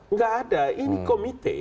tidak ada ini komite